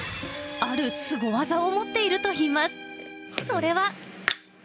あるすご技を持っているといいます。